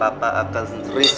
daftar sekarang lah